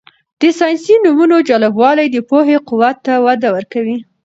د ساینسي نومونو جالبوالی د پوهې قوت ته وده ورکوي.